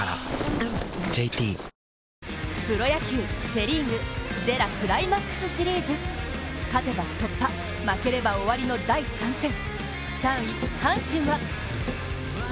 プロ野球、セ・リーグＪＥＲＡクライマックスシリーズ。勝てば突破、負ければ終わりの第３戦。